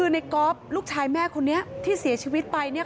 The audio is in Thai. ในก๊อฟลูกชายแม่คนนี้ที่เสียชีวิตไป